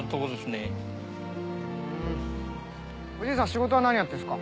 仕事は何やってるんすか？